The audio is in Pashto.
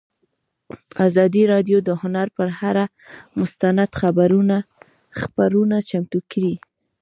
ازادي راډیو د هنر پر اړه مستند خپرونه چمتو کړې.